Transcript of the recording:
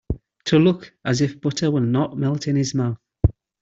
To look as if butter will not melt in his mouth.